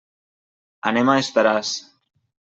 Anem a Estaràs.